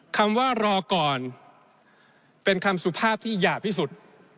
คำว่ารอก่อนเป็นคำสุภาพที่หยาบที่สุด